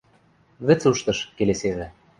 — Вӹц уштыш, — келесевӹ.